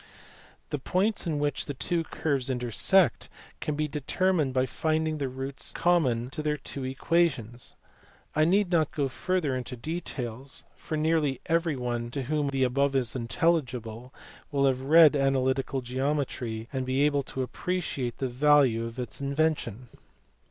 The points in which two curves intersect can be determined by finding the roots common to their two equa tions. I need not go further into details, for nearly every one to whom the above is intelligible will have read analytical geometry, and be able to appreciate the value of its invention.